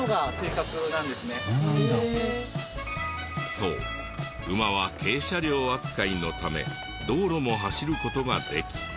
そう馬は軽車両扱いのため道路も走る事ができ。